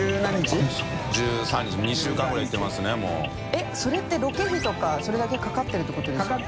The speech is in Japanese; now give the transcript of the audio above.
えっそれってロケ費とか修譴世かかってるってことですよね？